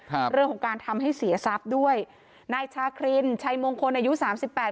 ครับเรื่องของการทำให้เสียทรัพย์ด้วยนายชาครินชัยมงคลอายุสามสิบแปด